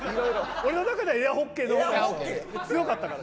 俺の中ではエアホッケーのほうが強かったから。